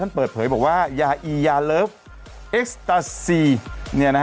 เปิดเผยบอกว่ายาอียาเลิฟเอ็กซ์ตาซี